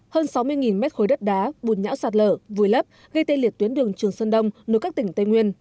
hơn sáu mươi mét khối đất đá bùn nhão sạt lở vùi lấp gây tê liệt tuyến đường trường sơn đông nối các tỉnh tây nguyên